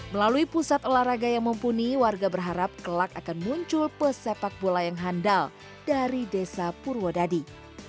melalui pusat olahraga yang mumpuni warga berharap kelak akan muncul pesepak bola yang handal dari desa purwodadi